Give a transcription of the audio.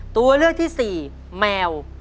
ตัวเลือกที่๔แมว